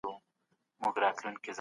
ما د موسی جان او ګل مکۍ کيسه ولوسته.